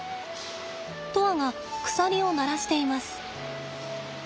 砥愛が鎖を鳴らしています。